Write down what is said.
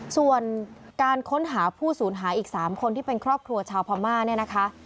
ส่วนการค้นหาผู้สูญหายอีก๓คนที่เป็นครอบครัวชาวพม่าเนี่ยนะคะ